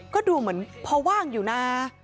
ก็ดูเหมือนพอว่างอยู่นะ